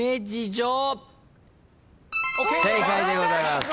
正解でございます。